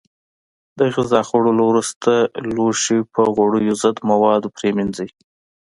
د غذا خوړلو وروسته لوښي په غوړیو ضد موادو پرېمنځئ.